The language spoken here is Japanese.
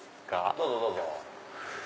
どうぞどうぞ。